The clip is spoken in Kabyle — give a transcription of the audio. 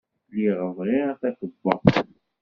Lliɣ bɣiɣ takebbuḍt.